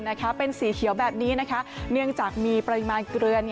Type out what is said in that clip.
นะคะเป็นสีเขียวแบบนี้นะคะเนื่องจากมีปริมาณเกลือ